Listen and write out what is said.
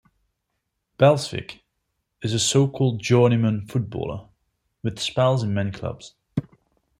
Belsvik is a so-called journeyman footballer, with spells in many clubs.